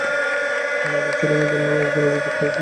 আমাদের ছেলেদের নামে একজন অভিযোগ করেছে।